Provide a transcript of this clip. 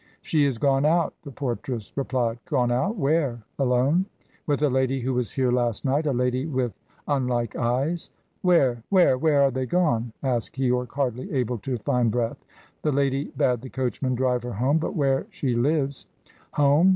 "She is gone out," the portress replied. "Gone out? Where? Alone?" "With a lady who was here last night a lady with unlike eyes " "Where? Where? Where are they gone?" asked Keyork hardly able to find breath. "The lady bade the coachman drive her home but where she lives " "Home?